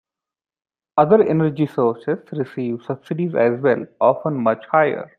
Other energy sources receive subsidies as well, often much higher.